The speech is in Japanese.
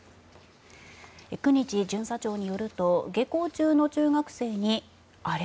九日巡査長によると下校中の中学生にあれ？